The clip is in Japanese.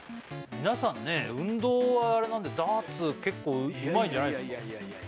皆さんね運動はあれなんでダーツ結構うまいんじゃないですか？